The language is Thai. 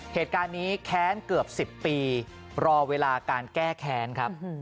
เหตุการณ์นี้แค้นเกือบ๑๐ปีรอเวลาการแก้แค้นครับ